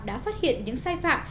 đã phát hiện những sai phạm